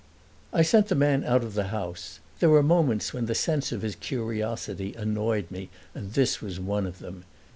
I sent the man out of the house; there were moments when the sense of his curiosity annoyed me, and this was one of them.